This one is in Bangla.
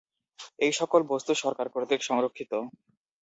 এই সকল বস্তু সরকার কর্তৃক সংরক্ষিত।